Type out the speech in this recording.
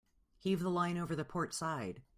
Heave the line over the port side.